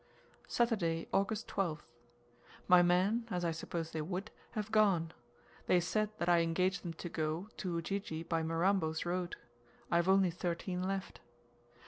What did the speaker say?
Saturday, August 12th. My men, as I supposed they would, have gone; they said that I engaged them to go, to Ujiji by Mirambo's road. I have only thirteen left.